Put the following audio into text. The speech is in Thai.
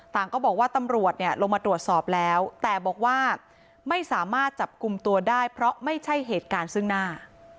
ก็บอกว่าตำรวจเนี่ยลงมาตรวจสอบแล้วแต่บอกว่าไม่สามารถจับกลุ่มตัวได้เพราะไม่ใช่เหตุการณ์ซึ่งหน้า